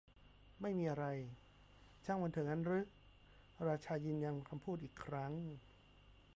ไม่มีอะไร ช่างมันเถอะงั้นรึ ? ราชายืนยันคำพูดอีกครั้ง